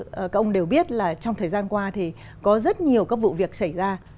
thưa các ông đều biết là trong thời gian qua thì có rất nhiều các vụ việc xảy ra